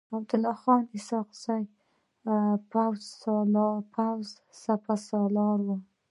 عبدالله خان اسحق زی د پوځ سپه سالار و.